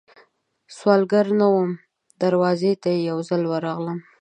سوالګره نه وم، دروازې ته یې یوځل ورغلم